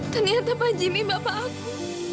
ternyata pak jimmy bapak aku